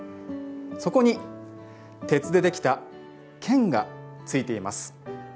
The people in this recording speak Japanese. そこに、鉄でできた剣がついています。